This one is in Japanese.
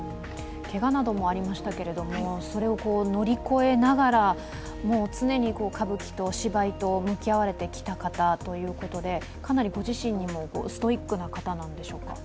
けがなどもありましたけれども、それを乗り越えながら常に歌舞伎と芝居と向き合われてきた方ということで、かなりご自身にもストイックな方なんでしょうか？